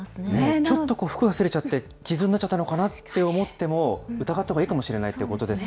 ちょっと服がすれちゃって傷になっちゃったのかなって思っても、疑ったほうがいいかもしれないということですね。